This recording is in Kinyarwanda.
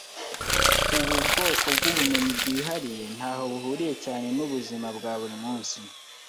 Ubu bwoko bwubumenyi bwihariye ntaho buhuriye cyane nubuzima bwa buri munsi.